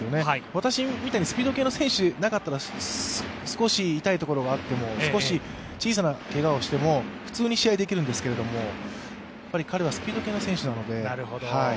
私みたいにスピード系の選手でなければ少し痛みがあっても少し小さなけがをしても普通に試合できるんですけれども、彼はスピード系の選手なので。